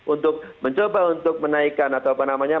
untuk mencoba untuk menaikkan atau apa namanya